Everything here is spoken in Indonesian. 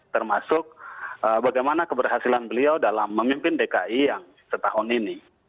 termasuk bagaimana keberhasilan beliau dalam memimpin dki yang setahun ini